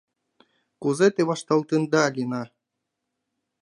— Кузе те вашталтында, Лина!